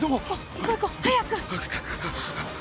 行こう行こう早く。